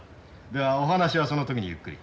ではお話はその時にゆっくり。